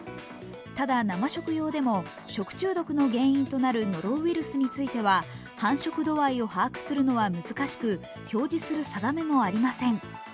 ただ、生食用でも食中毒の原因となるノロウイルスについては繁殖度合いを把握するのは難しく、表示する定めもありません。